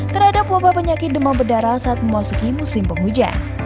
terhadap wabah penyakit demam berdarah saat memasuki musim penghujan